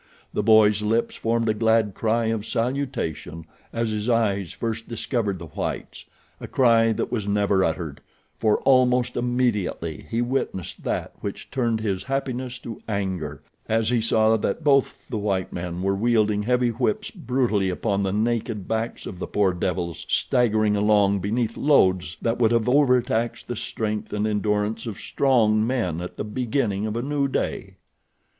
The boy's lips formed a glad cry of salutation as his eyes first discovered the whites—a cry that was never uttered, for almost immediately he witnessed that which turned his happiness to anger as he saw that both the white men were wielding heavy whips brutally upon the naked backs of the poor devils staggering along beneath loads that would have overtaxed the strength and endurance of strong men at the beginning of a new day.